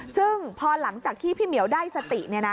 ซึ่งพอหลังจากที่พี่เหมียวได้สติ